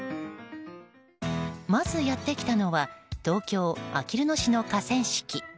まず、やってきたのは東京・あきる野市の河川敷。